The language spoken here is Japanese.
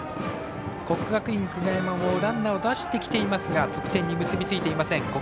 国学院久我山もランナーを出してきていますが得点に結び付いていません。